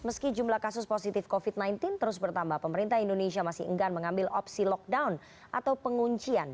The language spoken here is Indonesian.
meski jumlah kasus positif covid sembilan belas terus bertambah pemerintah indonesia masih enggan mengambil opsi lockdown atau penguncian